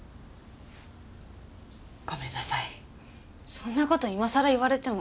そんな事今さら言われても。